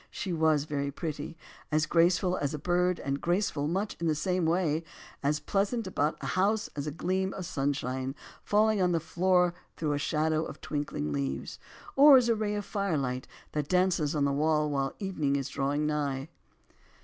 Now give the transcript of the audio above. She was very pretty; as graceful as a bird and graceful much in the same way; as pleasant about the house as a gleam of sunshine falling on the floor through a shadow of twinkling leaves, or as a ray of firelight that dances on the wall while evening is drawing nigh.